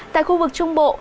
tại khu vực trung bộ